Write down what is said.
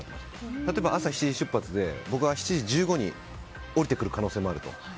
例えば朝７時出発で僕が７時１５に起きてくる可能性もあると。